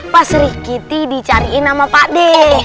pasri kiti dicariin sama pade